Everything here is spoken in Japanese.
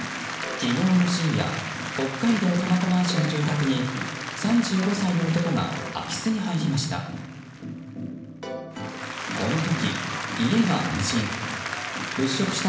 昨日の深夜北海道苫小牧市の住宅に３５歳の男が空き巣に入りました。